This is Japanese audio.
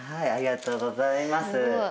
ありがとうございます。